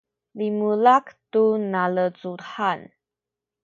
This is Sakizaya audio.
limulak tu nalecuhan